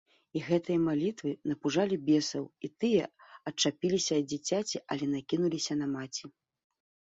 І гэтыя малітвы напужалі бесаў, і тыя адчапіліся ад дзіцяці, але накінуліся на маці.